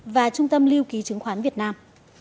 và trung tâm lưu ký chứng khoán việt nam